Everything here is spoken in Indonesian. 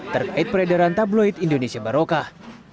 terkait peredaran tabloid indonesia barokah